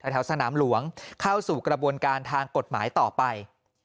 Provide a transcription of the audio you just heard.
แถวสนามหลวงเข้าสู่กระบวนการทางกฎหมายต่อไป